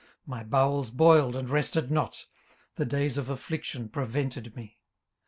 18:030:027 My bowels boiled, and rested not: the days of affliction prevented me.